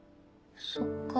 そっか。